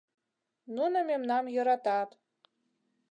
Нуно мемнам йӧратат.